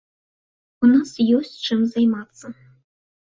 У нас ёсць, чым займацца.